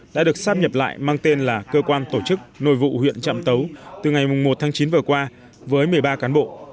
đã được sắp nhập lại mang tên là cơ quan tổ chức nội vụ huyện trạm tấu từ ngày một tháng chín vừa qua với một mươi ba cán bộ